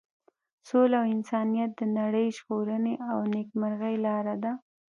سوله او انسانیت د نړۍ د ژغورنې او نیکمرغۍ لاره ده.